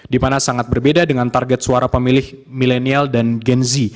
di mana sangat berbeda dengan target suara pemilih milenial dan gen z